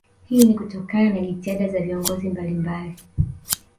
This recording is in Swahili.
Hii ni kutokana na jitihada za viongozi mbalimbali